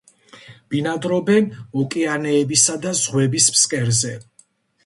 ბინადრობენ ოკეანეებისა და ზღვების ფსკერზე.